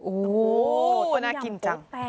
โอ้โหต้มยำโป๊ะแตก